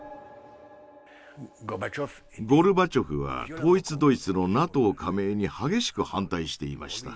ゴルバチョフは統一ドイツのＮＡＴＯ加盟に激しく反対していました。